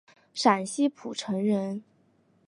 陕西蒲城人。